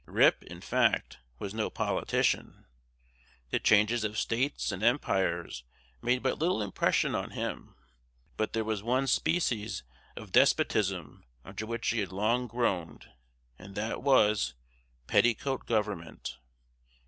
Rip, in fact, was no politician; the changes of states and empires made but little impression on him; but there was one species of despotism under which he had long groaned, and that was petticoat government.